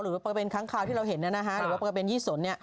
หรือปรากฏเบนค้างขาวที่เราเห็นนั้นหรือว่าปรากฏเบนยี่สน